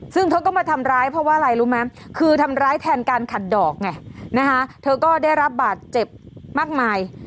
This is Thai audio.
ซึ่งเธอก็มาทำร้ายเพราะว่าอะไรรู้ไหมคือทำร้ายแทนการขัดดอกไงนะคะเธอก็ได้รับบาดเจ็บมากมาย